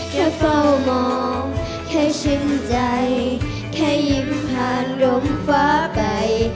แค่เฝ้ามองแค่ชึ่งใจแค่ยิ้มผ่านลมฟ้าไป